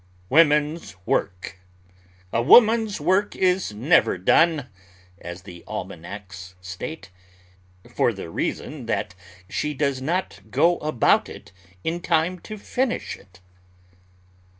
WOMAN'S WORK A woman's work is never done, as the almanacs state, for the reason that she does not go about it in time to finish it.